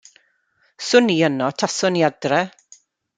'Swn i yno taswn i adra'.